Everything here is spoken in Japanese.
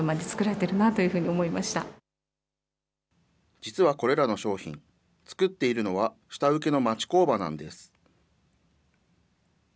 実はこれらの商品、作っているのは下請けの町工場なんです。